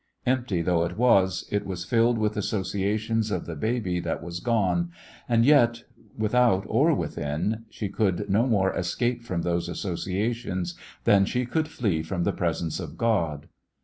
Empty though it was, it was filled with associations of the baby that was gone, and yet, without or within, she could no more escape from those associations than she could flee from the presence of God.